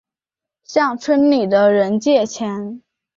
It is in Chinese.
向村里的人借钱